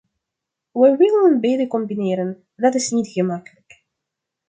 We willen beiden combineren, en dat is niet gemakkelijk.